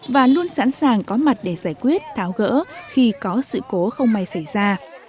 và luôn sẵn sàng có mặt để giải quyết tháo gỡ khi có sự cố không may xảy ra